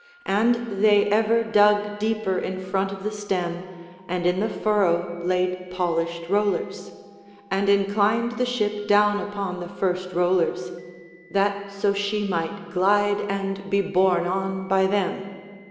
And they ever dug deeper in front of the stem, and in the furrow laid polished rollers; and inclined the ship down upon the first rollers, that so she might glide and be borne on by them.